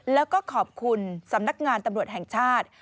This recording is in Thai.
แล้วก็ขอบคุณสำนักงานตำรวจแห่งชาติ